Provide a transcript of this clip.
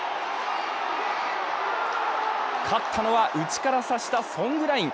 勝ったのは、内から差したソングライン。